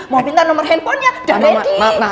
mau minta nomor handphonenya dan mau edit